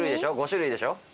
５種類でしょ？